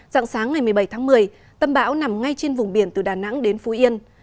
dạng sáng ngày một mươi bảy tháng một mươi tâm bão nằm ngay trên vùng biển từ đà nẵng đến phú yên